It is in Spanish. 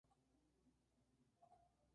En el video se ve a Dulce en diferentes facetas.